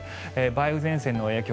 梅雨前線の影響